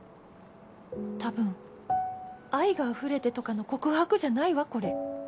たぶん愛があふれてとかの告白じゃないわこれ。